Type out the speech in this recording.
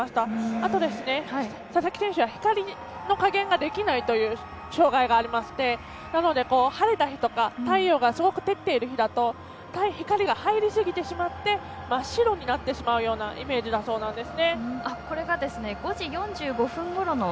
あと、佐々木選手は光の加減ができないという障がいがありましてなので、晴れた日とか太陽がすごく照っている日だと光が入りすぎてしまって真っ白になってしまうようなイメージだそうです。